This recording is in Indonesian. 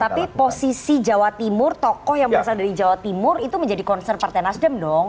tapi posisi jawa timur tokoh yang berasal dari jawa timur itu menjadi concern partai nasdem dong